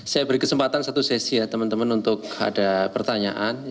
saya beri kesempatan satu sesi ya teman teman untuk ada pertanyaan